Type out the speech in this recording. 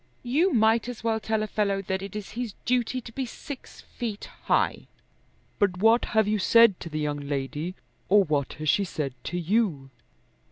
"You might as well tell a fellow that it is his duty to be six feet high." "But what have you said to the young lady, or what has she said to you?"